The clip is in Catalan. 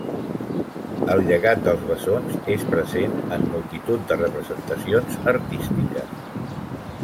El llegat dels bessons és present en multitud de representacions artístiques.